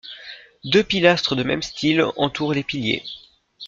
Deux pilastres de même style entourent les piliers.